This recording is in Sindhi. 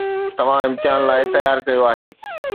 توهان امتحان لاء تيار ڪيو آهي